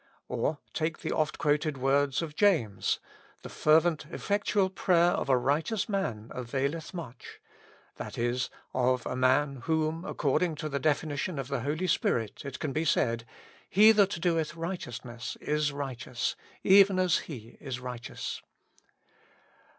Or take the oft quoted words of James: "The fervent effectual prayer of a righteous man availeth much ;" that is, of a man of whom, accord ing to the definition of the Holy Spirit, it can be said :" He that doeth righteousness, is righteous, even as He is righteous."